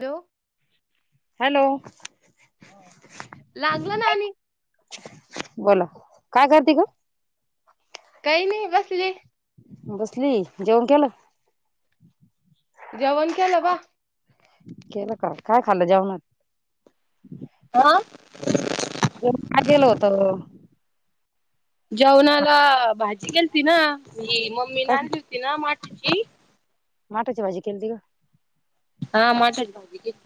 Hello. Hello. लागल ना आणि बोला काय करती गं? काही नाही बसलेली. बसली जेवण केलं? जेवण केलं बा. केलं का काय खाल्लं जेवणात? आ? [unintelligible] काय केलं होतं? जेवणाला भाजी केलती ना ही मम्मीनं काय आणली होती ना मठाची मठाची भाजी केलती का? हां मठाची भाजी केल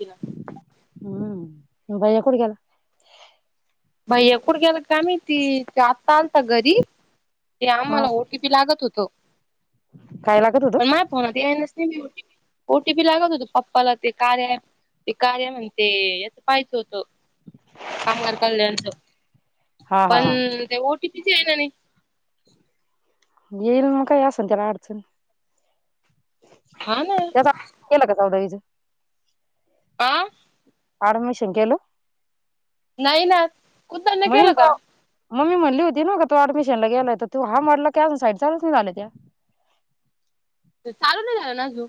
हम्म यो भैय्या कुठं गेला? भैय्या कुठ गेला काय माहिती त्यो आत्ता आलता घरी ते हा आम्हाला ओ टी पी पी लागत होतं. काय लागत होतं? [unintelligible] द्याय नसती मी O T P O T P लागत होतं पप्पाला ते कार्या ॲप ते कार्या म्हणते याचं पाहायचं होतं [unintelligible] कल्याणच हा हा पण हा ते ओ टी पी च यायल नाही. येईल मग काय असल त्याला अडचण. हा ना. त्याचा केलं का ताऊ ताईच. आं? ऍडमिशन केलं? नाही ना. कुदन केलं का [unintelligible] अ मी म्हणली होती ना का तो ऍडमिशनला गेला आहे त तु [unintelligible] अजून साईड चालूच नाही झाल्या त्या. त चालू नाही झाल्याना अजून.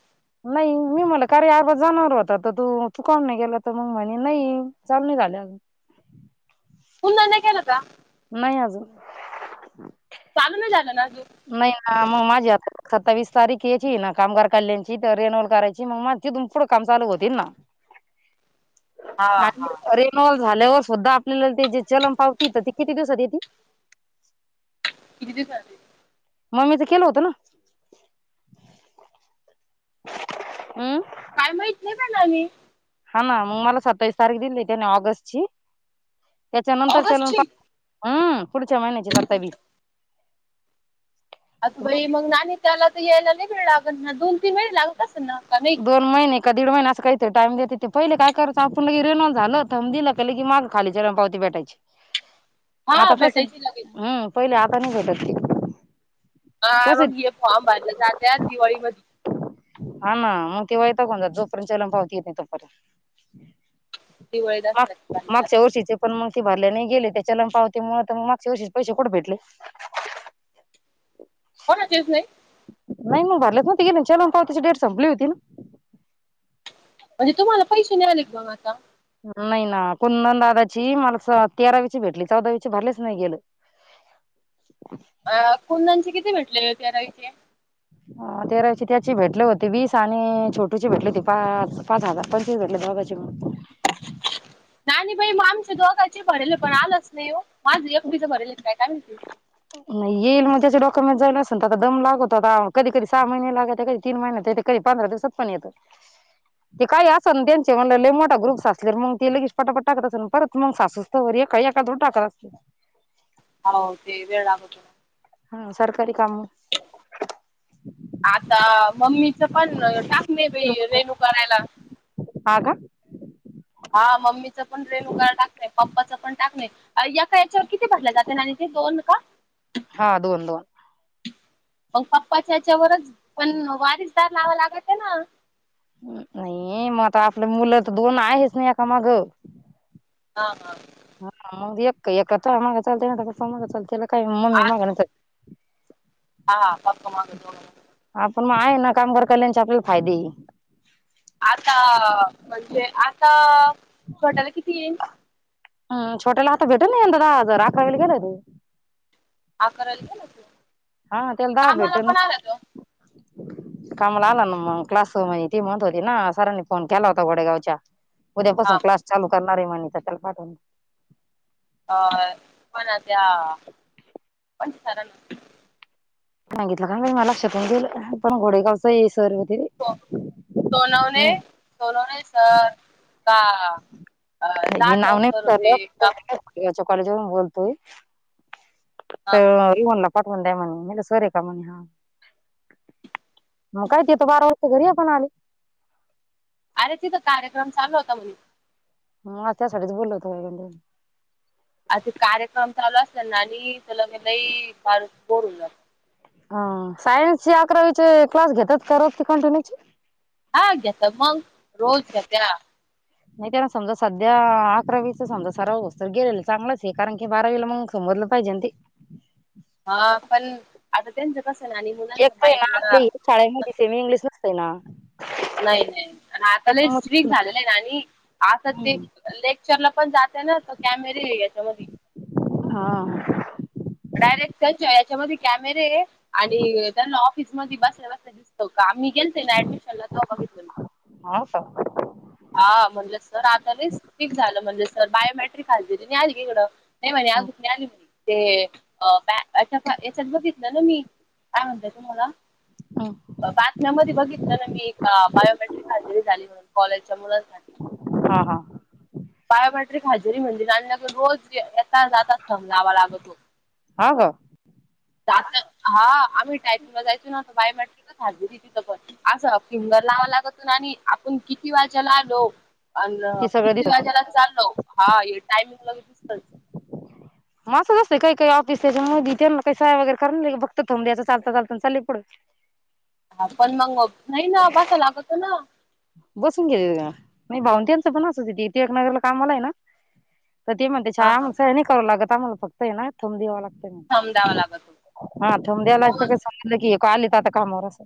नाही. मी म्हटलं का रे आता जाणार व्हता तर तू काऊन नाही गेला तर मग म्हणे नाही चालू नाही झाले अजून. पुन्हा नाही केलं का? नाही अजून. चालू नाही झालं ना अजून. नाही आ मग माझी आ सत्तावीस तारीख यायची ना कामगार कल्याणची तर रेनवल करायची मग माझ तिथून पुढं काम चालू होतील ना. [inaudible] हा आणि रेनॉल झाल्यावर स्वता आपल्याला ते जे चलग पावती त ती किती दिवसात येती. किती दिवसात येती. मम्मीचं केलं होतं ना. हम्म. काय माहित नाही बाई मामी. हा ना मग मला सत्तावीस तारीख दिली त्याने ऑगस्टची त्याच्यानंतर चलन ऑगस्टची हा पुढच्या महिनची सत्तावीस. अगं बाई मग ना आणि त्याला तर यायला नाही वेळ लागत ना दोन तीन महिने लागतच ना का नाही. दोन महिने का दीड महिने असं काही तर टाम देत ते पहिले काय करत आपण रेनोलां झालं होत दिलं. त्यालं की माग खाली त्याना पावती भेटायची. हा आता तसं भेटायची लगेच. हम्म, पहिले आता नाही भेटत ती. हा, कसं मग हे फॉर्म भरलं जात्यात दिवाळी मधी हा, ना मग तेव्हा येत कोण जोपर्यंतल पावती येत नाही तोपर्यंत. दिवाळी माक, दसऱ्यात भरले जातात मागच्या वर्षीचं पण मग ती भरल्या नाही गेले. त्या चलन पावती मुळं मग मागच्या वर्षी पैसे कुठे भेटले. कुणाचेच नाही? नाही मग भरले, ती चलन पावतीची डेट संपली होती ना? म्हणजे तुम्हाला पैशे नाही आले बघ आता नाही ना कुंदन दादाची मला स तेरावीची भेटली चौदावीची भरलेच नाही गेलं [inaudible] अं कुंदनचे किती भेटलेले तेरावीचे? [inaudible] तेरावीचे त्याचे भेटले होती वीस आणि छोटुचे भेटले होते पाच पाच हजार पंचवीस भेटले दोघांचे [unintelligible] नाही नाही बाई मग आमच्या दोघांचे भरले पण आलंच नाही ओ माझं एकटीचं भरले काय काय माहिती? नाही येईल मग त्याचे डॉक्युमेंट जायला असे दम लागतता कधी कधी सहा महिने लागते कधी तीन महिन्यात येत्याती कधी पंधरा दिवसात पण येत् [inaudible] ते काय असल त्यांचे मला लई मोठा ग्रुप्स असले मग ते लगेच पटापट टाकत असल परत मग सासू तवर एका एका दूर टाकत असतील आल्यावर ते वेळ लागतो हा सरकारी कामं [inaudible] आता मम्मीचं पण टाकले बाई रेनू करायला हा का? हा मम्मीच पण रेनू करायला टाकलंय पप्पाचं पण टाकलंय अय्या का याच्यावर किती भरले जाते आणि ते दोन का? हा दोन दोन मग पप्पाच्या हच्यावरच पण वारीसदार लावावा लागत ना नाही मग आता आपलं मुलं तर दोन आहेच ना एका मागं हा हां हा मग एक एका मागा चालते ना पप्पा मागा चालते तेला काय हा मम्मी मागा आ न हा मक्क माग जोडायला आपण पण मग आहे ना कामगार कम आणि आपल्याला [unintelligible] फायदेही आता म्हणजे आता छोट्याला किती हम छोट्याला आता भेटल ना दहा हजार अकरावीला गेलाय तो अकरावीला गेलाय तो हा त्याला दहा कामाला भेटल पण आला मग [inaudible] कामाला आला ना मग क्लास ती म्हणत होती ना सरांनी फोन केला होता वडगावच्या हा उद्यापासून क्लास चालू करणार आहे म्हणे तर त्याला पाठवून अ पण त्या पण सरांना सांगितलं काय नाही माया लक्षातुनच गेलं पण घोडेगावचं सर होते सोन सोनावणे हम्म सोनावणे सर का अ नाय मी नाव जाधव नाय सर होते विचारलं का [unintelligible] याच्या कॉलेज वरून बोलतोय. ह अअ त्यो म्हणला पाठवून द्या म्हणे मी म्हटलं सर ये काम्हणे हा मग काय ते त बारा वाजता घरी ये पण आले. अरे तिथं कार्यक्रम चालू होता म्हणे हा त्यासाठीच बोललो होतो [unintelligible] आता ते कार्यक्रम चालू असले ना आणि लगे लय पार बोर होऊन जात. हा सायन्स ची अकरावीचे क्लास घेतात का रोज ते कंटिन्यू ची हा घेतात मग रोज घेत्या नाय त्यांना समजा सध्या अकरावीचा समजा सराव होस्तवर गेलेल चांगलंच ये कारण की बारावीला मंग- समजलं पाहिजे न ते हा पण आता त्यांचं कस नाणी एकत ही ना आपल्या इ शाळेमध्ये सेमी इंग्लिश नसतय ना नाय नाय अनं आता लय स्ट्रिक्ट त्याच्यामुळे झालेलंय नाणी आता ते हम्म लेक्चरला पण जाते ना त कॅमेरे ये याच्यामधी हा डायरेक्ट त्याच्या याच्यामध्ये कॅमेरे ये आणि त्यांना ऑफिस मध्ये बसल्या बसल्या दिस हो का आम्ही गेलते ना ऍडमिशनला तवा बघितलं मी हो का. हा म्हणलं सर आता लय स्ट्रीक्ट झालं म्हणलं सर बायोमॅट्रिक हजेरी नय आली का इकडं नाय म्हणे अजुक नाय आली म्हणे ते अ बॅ यांच्यातना याच्यात बघितलं ना मी काय म्हणताय तुम्हाला [unintelligible] बातम्यामध्ये बघितलं ना मी का बायोमेट्रिक हजेरी झाली म्हणून कॉलेजच्या मुलांसाठी हा हा बायोमेट्रिक हजेरी म्हणजे [unintelligible] रोज येेता जाता थंब लावा लागतो. हा का जात हा आम्ही टायपिंगला जायचो ना त बायोमॅट्रिकच हजेरी ये तिथं पण असं फिंगर लावा लागतो नाणी आपण किती वाजाला आलो अनं ती सगळं किती दिस वाजाला चाललो हा ये टायमिंग लगे दिसतच म असच असतय काय काय ऑफिस त्याच्या मधी त्यांना काय सह्या वगैरे करानाय लागत फक्त थम्ब द्यायचा चालता चालता अनं चाललंय पुढ हा पण मंग नाही ना बसा लागतो ना बसून घेतेत का माये भाऊ त्यांच पण असंचं ये की टिळकनगला कामाला ये ना तर ते म्हणतात हा छाया हा आम्हाला सहया नाय करावं लागत आम्हाला फक्त ये ना थंब द्यावां थांब द्यावा लागंतं. लागतो हा थंब द्यावालागत का समजलं की हे का आलेत आता कामवर असं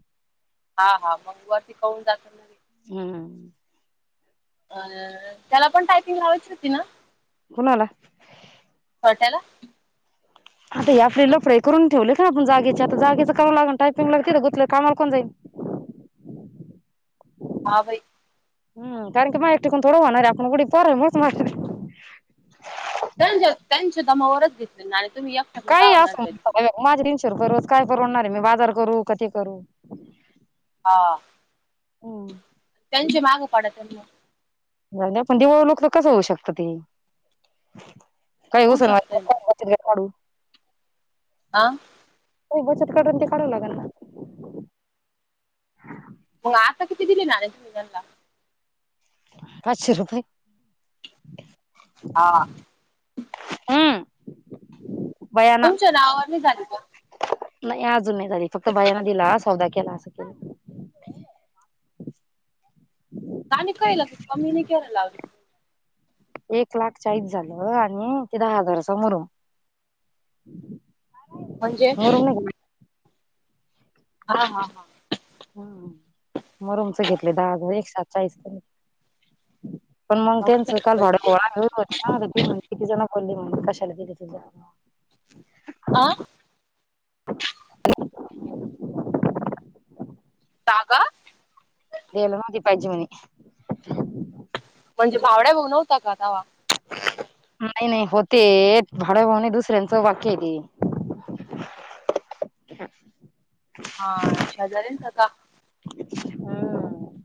हा हा मंग वरती कळून जात ना हम्म अ त्याला पण टायपिंग लावायची होती ना कुणाला? छोट्याला आता हे असले लफडे करून ठेवले का आपण जागेच्या आता जागेच कराव लागन टायपिंगग तिद गुतलं कामाला कोण जाईनं. हा बई हम्म कारण की मायां एकटीकून थोडं होणार ये आपण उडी पोरानं मुळच मारली. त्यांच्या त्यांच्या दमावरच घेतली नाणी तुम्ही या काही असं माझ्या तीनशे रुपये रोज काय परवडणार आहे मी बाजार करू का ते करू हा त्यांची माग पाडत पण दिवळ लोक तर कसं होऊ शकत ते काही होऊ उस शकतय ना [unintelligible] [inaudible] आ काय बचत करल ती काढावं लागल मग आता किती दिले ना [unintelligible] पाचशे रुपये हा हम तुमच्या नावाची झाली का नाही आजून नाही झाली फक्त भैयानं दिला सौदा केला नाहीणी काळलं त कमी नाही केर [unintelligible] एक लाख चाळीस झालंत आणि ते दहा हजार समोरून म्हणजे हा, हा, हा ह मग रमच घेतले ता [unintelligible] पण मग हा त्यांच कालड घोळा घेऊन होती त किती जण बोलली म्हण कशाला ति त आ ताजा दे नती पायजी मने म्हणजे भावड्या भाऊ नव्हता का तवा नाही, नाही होते भावड्या भाऊ नाही दुसऱ्यांचं वाक्य आहे ते हा शेजारीयांल त का हम्म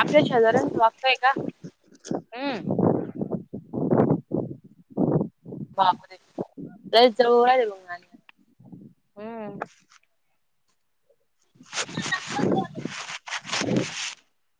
आपल्या शेजऱ्यांच वागतोय का हम बापरे लय जवळ आहे [unintelligible] हम्म [inaudible]